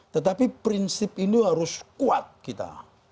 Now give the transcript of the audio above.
tetapi prinsip ini harus kuat kita